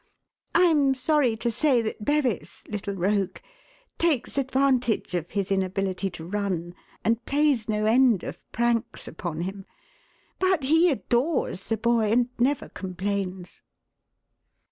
I am sorry to say that Bevis, little rogue, takes advantage of his inability to run, and plays no end of pranks upon him. But he adores the boy, and never complains."